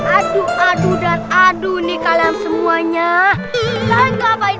aduh aduh aduh kamu ngapain